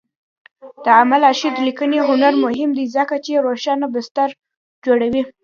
د علامه رشاد لیکنی هنر مهم دی ځکه چې روښانه بستر جوړوي.